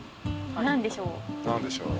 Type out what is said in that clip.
何でしょう？